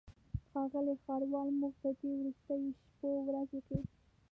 ښاغلی ښاروال موږ په دې وروستیو شپو ورځو کې.